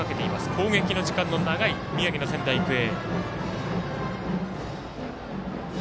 攻撃の時間が長い宮城の仙台育英。